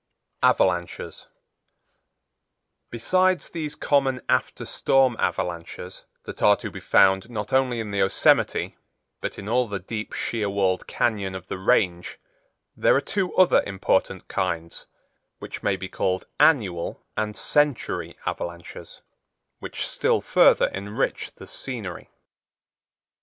Avalanches Besides these common after storm avalanches that are to be found not only in the Yosemite but in all the deep, sheer walled cañon of the Range there are two other important kinds, which may be called annual and century avalanches, which still further enrich the scenery.